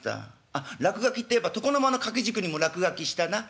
あっ落書きっていえば床の間の掛け軸にも落書きしたな。